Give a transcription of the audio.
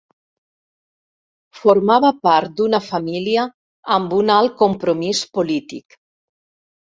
Formava part d’una família amb un alt compromís polític.